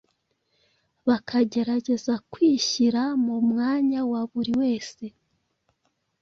bakagerageza kwishyira mu mwanya wa buri wese